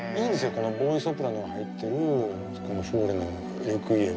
このボーイソプラノが入ってるこのフォーレの「レクイエム」。